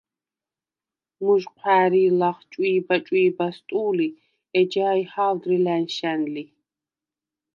მუჟჴვა̄̈რი̄ლ ლახ “ჭვი̄ბა-ჭვი̄ბას” ტუ̄ლი, ეჯაი ჰა̄ვდრი ლა̈ნშა̈ნ ლი.